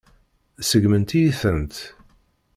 Seggment-iyi-tent.